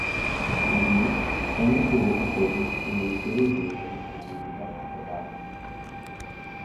Allí, Chang escribió su tesis en el estudio de funciones analíticas acotadas.